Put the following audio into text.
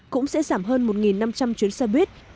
cũng sẽ giảm hơn một năm trăm linh chuyến xe buýt